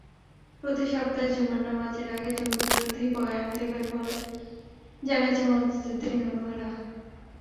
প্রতি সপ্তাহে জুমার নামাজের আগে জঙ্গিবিরোধী বয়ান দেবেন বলে জানিয়েছেন মসজিদের ইমামেরা।